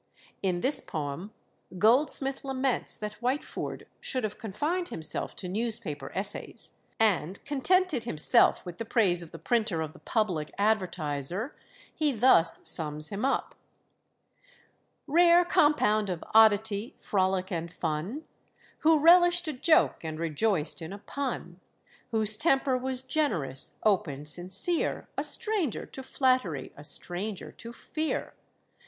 In this poem Goldsmith laments that Whitefoord should have confined himself to newspaper essays, and contented himself with the praise of the printer of the Public Advertiser; he thus sums him up: "Rare compound of oddity, frolic, and fun, Who relish'd a joke and rejoiced in a pun; Whose temper was generous, open, sincere; A stranger to flattery, a stranger to fear.